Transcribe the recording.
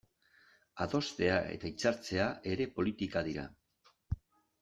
Adostea eta hitzartzea ere politika dira.